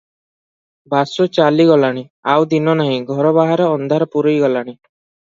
ବାସୁ ଚାଲି ଗଲାଣି, ଆଉ ଦିନ ନାହିଁ, ଘର ବାହାର ଅନ୍ଧାର ପୂରି ଗଲାଣି ।